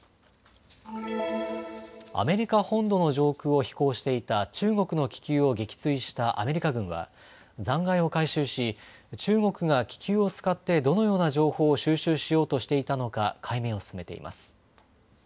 アメリカ本土の上空を飛行していた中国の気球を撃墜したアメリカ軍は残骸を回収し中国が気球を使ってどのような情報を収集しようとしていたのか解明を進めています。